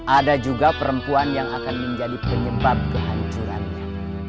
ada juga perempuan yang akan menjadi penyebab kehancurannya